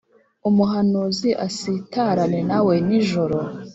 umuhanuzi asitarane nawe nijoro,